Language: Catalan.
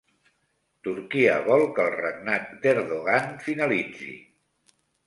Turquia vol que el regnat d'Erdogan finalitzi